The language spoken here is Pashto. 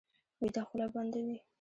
ویده خوله بنده وي